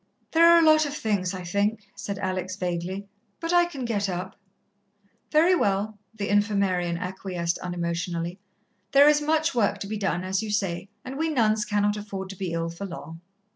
"There are a lot of things, I think," said Alex vaguely, "but I can get up." "Very well," the Infirmarian acquiesced unemotionally. "There is much work to be done, as you say, and we nuns cannot afford to be ill for long."